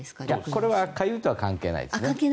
これはかゆいとは関係ないですね。